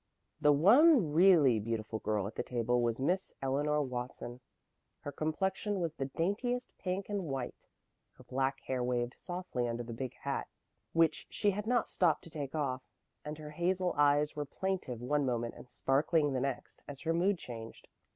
The one really beautiful girl at the table was Miss Eleanor Watson. Her complexion was the daintiest pink and white, her black hair waved softly under the big hat which she had not stopped to take off, and her hazel eyes were plaintive one moment and sparkling the next, as her mood changed.